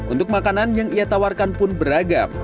untuk makanan yang ia tawarkan pun beragam